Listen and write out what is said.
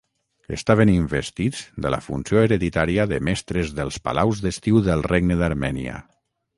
Estaven investits de la funció hereditària de Mestres dels Palaus d'Estiu del regne d'Armènia.